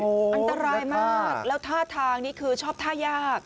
อันตรายมากแล้วท่าทางนี้คือชอบท่ายาก